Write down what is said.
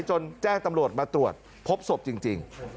แจ้งตำรวจมาตรวจพบศพจริง